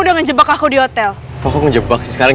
staen disukai padahal keluarga aku yang kumilikan